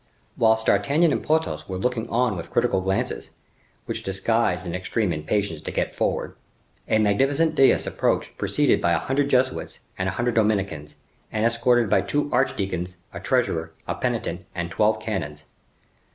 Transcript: Whilst D'Artagnan and Porthos were looking on with critical glances, which disguised an extreme impatience to get forward, a magnificent dais approached preceded by a hundred Jesuits and a hundred Dominicans, and escorted by two archdeacons, a treasurer, a penitent and twelve canons.